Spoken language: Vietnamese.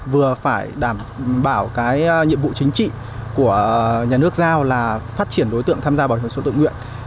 vừa phải đảm bảo cái nhiệm vụ chính trị của nhà nước giao là phát triển đối tượng tham gia bảo hiểm xã hội tự nguyện